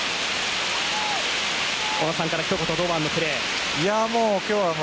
小野さんから、ひと言堂安のプレーは？